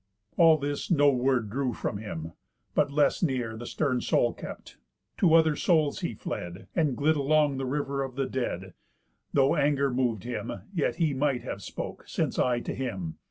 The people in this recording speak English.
All this no word drew from him, but less near The stern soul kept; to other souls he fled, And glid along the river of the dead. Though anger mov'd him, yet he might have spoke, Since I to him.